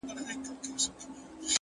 هوښیار انسان لومړی فکر بیا عمل کوي.!